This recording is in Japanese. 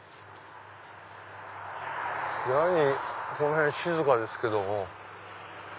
いやにこの辺静かですけども。